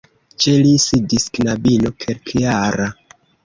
Ĉe li sidis knabino kelkjara.